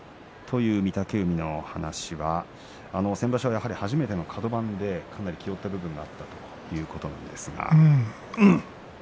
という御嶽海の話は先場所、やはり初めてのカド番で気負った部分があったということです。